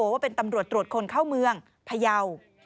ว่าเป็นตำรวจตรวจคนเข้าเมืองพยาว